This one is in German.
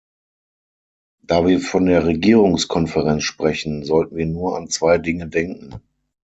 Da wir von der Regierungskonferenz sprechen, sollten wir nur an zwei Dinge denken.